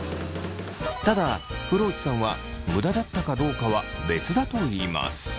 ただ風呂内さんは無駄だったかどうかは別だといいます。